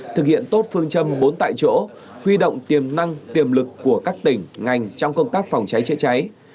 thực hiện tốt phương châm bốn tại chỗ huy động tiềm năng tiềm lực của các tỉnh ngành trong công tác phòng cháy chữa cháy